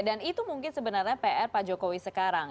dan itu mungkin sebenarnya pr pak jokowi sekarang